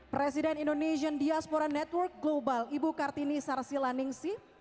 presiden indonesian diaspora network global ibu kartini sarsila ningsi